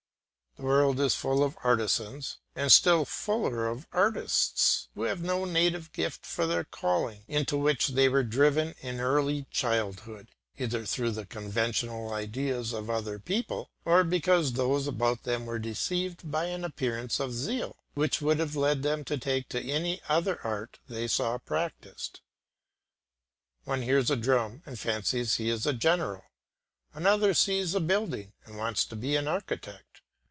The world is full of artisans, and still fuller of artists, who have no native gift for their calling, into which they were driven in early childhood, either through the conventional ideas of other people, or because those about them were deceived by an appearance of zeal, which would have led them to take to any other art they saw practised. One hears a drum and fancies he is a general; another sees a building and wants to be an architect.